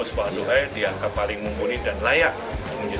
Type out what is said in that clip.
osvaldo hai dianggap paling mungkul dan layak menjadi